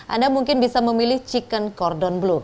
anda mungkin bisa memilih chicken cordon blue